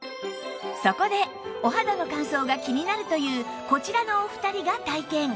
そこでお肌の乾燥が気になるというこちらのお二人が体験